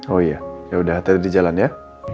oh iya yaudah hati hati jalan ya